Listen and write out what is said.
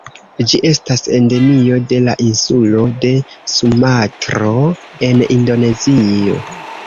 Ĝi estas endemio de la insulo de Sumatro en Indonezio.